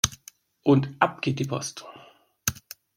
Und ab geht die Post!